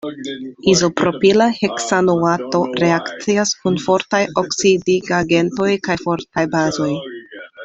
Izopropila heksanoato reakcias kun fortaj oksidigagentoj kaj fortaj bazoj.